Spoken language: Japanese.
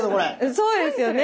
そうですよね。